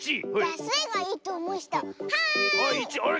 あれ？